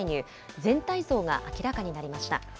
全体像が明らかになりました。